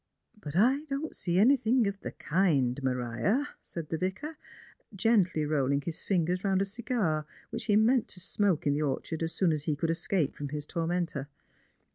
"But I don't see anything of the kind, Maria," said the Vicar, gently rolling his fingers round a cigar which he meant to smoke in the orchard as soon as he could escape from his tor mentor.